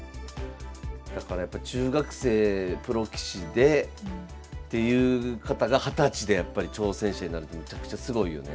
だからやっぱ中学生プロ棋士でっていう方が二十歳でやっぱり挑戦者になるってめちゃくちゃすごいよね。